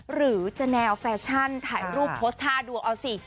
หรือจะแนวแฟชั่นถ่ายรูปโพสต์ท่าดูเอาสิ